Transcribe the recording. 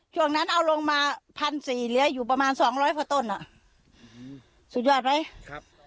ช่วงนั้นเอาลงมาพันสี่เหลืออยู่ประมาณสองร้อยกว่าต้นอ่ะสุดยอดไหมครับ